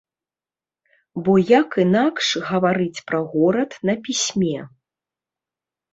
Бо як інакш гаварыць пра горад на пісьме?